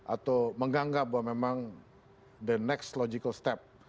atau menganggap bahwa memang the next logical step